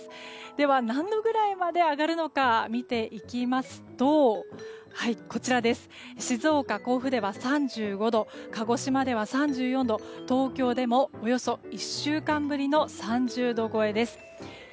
では何度くらいまで上がるのか見ていきますと静岡、甲府では３５度鹿児島では３４度、東京でも１週間ぶりの３０度超えです。